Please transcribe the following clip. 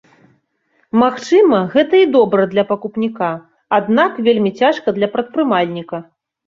Магчыма, гэта і добра для пакупніка, аднак вельмі цяжка для прадпрымальніка.